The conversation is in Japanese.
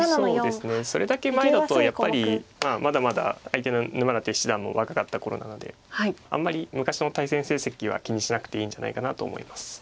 それだけ前だとやっぱりまだまだ相手の沼舘七段も若かった頃なのであんまり昔の対戦成績は気にしなくていいんじゃないかなと思います。